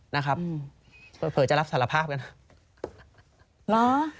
นะครับเผลอจะรับสารภาพกันเหรอ